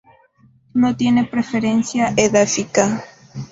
No tiene preferencia edáfica.